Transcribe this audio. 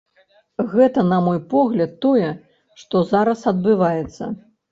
Гэта, на мой погляд, тое, што зараз адбываецца.